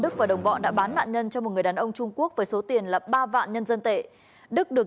đức và đồng bọn đã bán nạn nhân cho một người đàn ông trung quốc với số tiền là ba vạn nhân dân tệ đức được